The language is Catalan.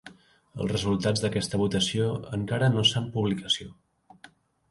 Els resultats d"aquesta votació encara no s"han publicació.